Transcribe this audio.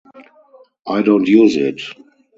I don't use it.